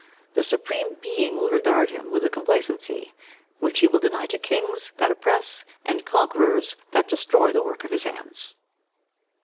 The Supreme Being will regard him with a complacency, which he will deny to kings, that oppress, and conquerors, that destroy the work of his hands."